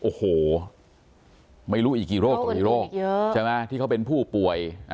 โอ้โหไม่รู้อีกกี่โรคต่อกี่โรคเยอะใช่ไหมที่เขาเป็นผู้ป่วย